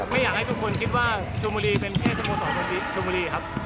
ไม่อยากให้ทุกคนคิดว่าชมบุรีเป็นแค่สโมสรชมบุรีครับ